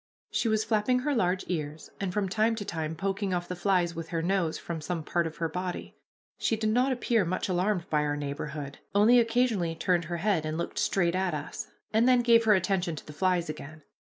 She was flapping her large ears, and from time to time poking off the flies with her nose from some part of her body. She did not appear much alarmed by our neighborhood, only occasionally turned her head and looked straight at us, and then gave her attention to the flies again.